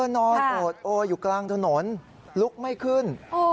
นอนโอดโออยู่กลางถนนลุกไม่ขึ้น